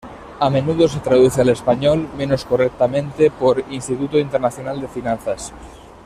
A menudo se traduce al español, menos correctamente, por "Instituto Internacional de Finanzas".